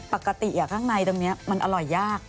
ปกติข้างในตรงนี้มันอร่อยยาก